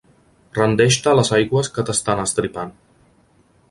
Rendeix-te a les aigües que t'estan estripant.